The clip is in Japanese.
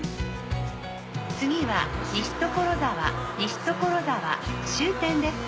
次は西所沢西所沢終点です。